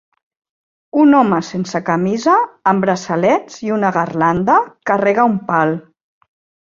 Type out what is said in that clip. Un home sense camisa, amb braçalets i una garlanda, carrega un pal.